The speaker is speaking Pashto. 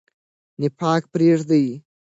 نفاق پریږدئ.